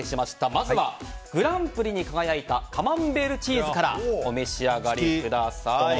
まずはグランプリに輝いたカマンベールチーズからお召し上がりください。